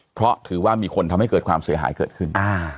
เพราะถือว่ามีคนทำให้เกิดความเสียหายเกิดขึ้น